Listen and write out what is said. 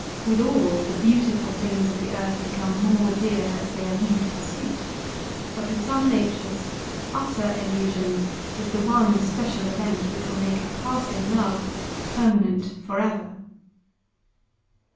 With all, the beautiful things of the earth become more dear as they elude pursuit; but with some natures utter elusion is the one special event which will make a passing love permanent for ever.